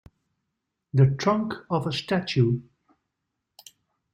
The trunk of a statue.